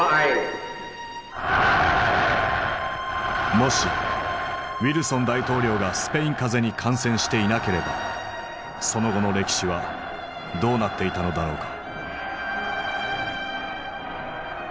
もしウィルソン大統領がスペイン風邪に感染していなければその後の歴史はどうなっていたのだろうか。